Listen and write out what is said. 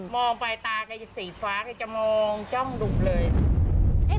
มองไปตากับสีฟ้าจะมองจ้องดุบเลย